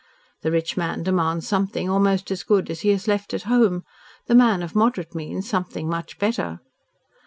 The rich man demands something almost as good as he has left at home, the man of moderate means something much better.